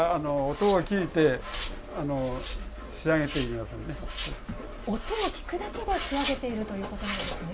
音を聞くだけで仕上げているということなんですね。